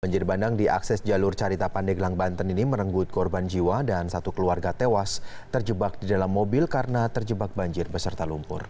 banjir bandang di akses jalur carita pandeglang banten ini merenggut korban jiwa dan satu keluarga tewas terjebak di dalam mobil karena terjebak banjir beserta lumpur